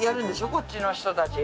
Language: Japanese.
こっちの人たち。